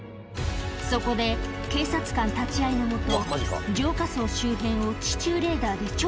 そこで警察官立ち合いのもと